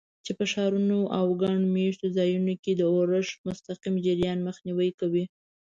چې په ښارونو او ګڼ مېشتو ځایونو کې د اورښت مستقیم جریان مخنیوی کوي.